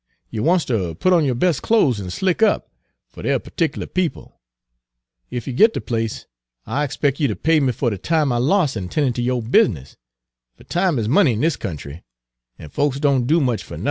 You wants ter put on yo' Page 236 bes' clothes an' slick up, fer dey're partic'lar people. Ef you git de place I'll expec' you ter pay me fer de time I lose in 'tendin' ter yo' business, fer time is money in dis country, an' folks don't do much fer nuthin'."